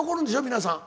皆さん。